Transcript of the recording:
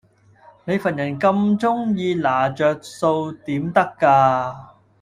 你份人咁鐘意拿着數點得架